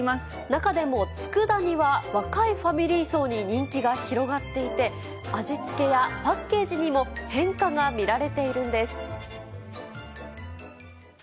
中でも、つくだ煮は、若いファミリー層に人気が広がっていて、味付けやパッケージにも変化が見られているんです。